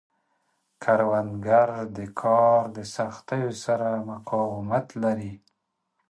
کروندګر د کار د سختیو سره مقاومت لري